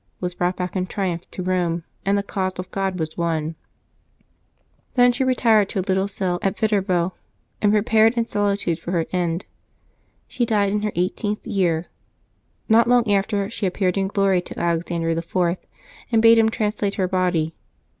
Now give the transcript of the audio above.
was brought back in triumph to Eome and the cause of God was won. Then she retired to a little cell at Viterbo, and prepared in solitude for her SEPTKifBEE 5] LIVES OF TEE SAINTS 305 end. She died in her eighteenth year. Not long after, she appeared in glory to Alexander IV., and bade him translate her body.